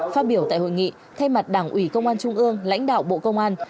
phát biểu tại hội nghị thay mặt đảng ủy công an trung ương lãnh đạo bộ công an